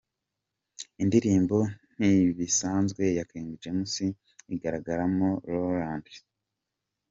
Indirimbo ntibisanzwe ya King James igaragaramo Rowland.